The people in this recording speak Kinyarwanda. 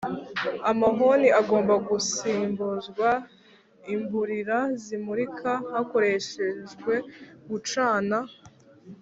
amahoni agomba gusimbuzwa imburira zimurika hakoreshejwe gucana